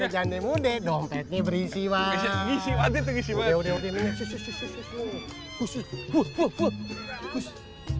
jandimu deh dompetnya berisi wajahnya isi wajahnya susu susu